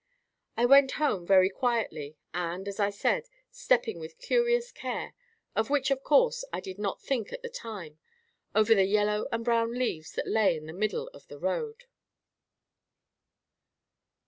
I went home very quietly, and, as I said, stepping with curious care—of which, of course, I did not think at the time—over the yellow and brown leaves that lay in the middle of the road.